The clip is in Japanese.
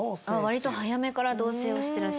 割と早めから同棲をしてらっしゃる。